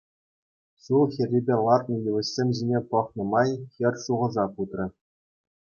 Ҫул хӗррипе лартнӑ йывӑҫсем ҫине пӑхнӑ май хӗр шухӑша путрӗ.